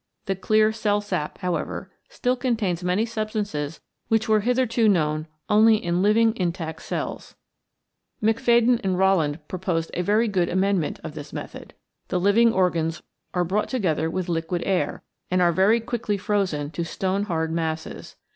The clear cell sap, however, still contains many substances which were hitherto known only in living intact 66 REACTIONS IN LIVING MATTER cells. Macfadyan and Rowland proposed a very good amendment of this method. The living organs are brought together with liquid air, and are very quickly frozen to stone hard masses.